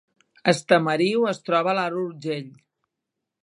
Estamariu es troba a l’Alt Urgell